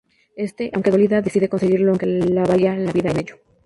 Ésta, aunque dolida, decide conseguirlo aunque le vaya la vida en ello.